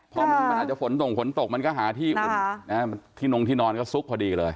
พอมันอาจจะฝนตกฝนตกมันก็หาที่อุ่นที่นงที่นอนก็ซุกพอดีเลย